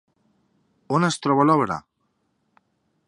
On es troba l'obra?